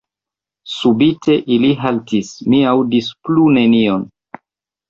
Subite, ili haltis, mi aŭdis plu nenion.